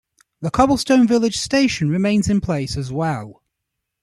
The Cobblestone Village station remains in place as well.